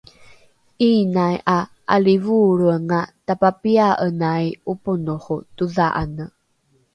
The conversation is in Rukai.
’iinai ’a ’alivoolroenga tapapia’enai ’oponoho todha’ane